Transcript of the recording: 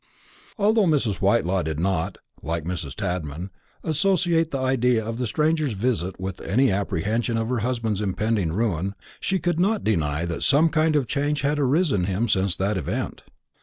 Although Mrs. Whitelaw did not, like Mrs. Tadman, associate the idea of the stranger's visit with any apprehension of her husband's impending ruin, she could not deny that some kind of change had arisen in him since that event.